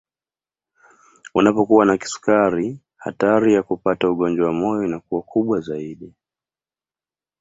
Unapokuwa na kisukari hatari ya kupata ugonjwa wa moyo inakuwa kubwa zaidi